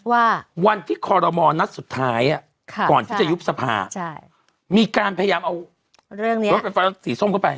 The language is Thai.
ว่าวันที่คอรมอลนัดสุดท้ายก่อนที่จะยุบสภามีการพยายามเอาเรื่องนี้รถไฟฟ้าสีส้มเข้าไป